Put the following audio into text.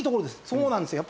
そうなんですよ。